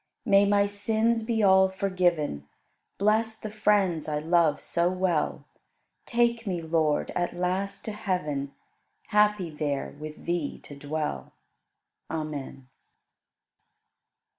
May my sins be all forgiven; Bless the friends I love so well; Take me, Lord, at last to heaven. Happy there with Thee to dwell. Amen.